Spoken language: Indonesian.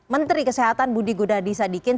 menteri kesehatan budi gunadi sadikin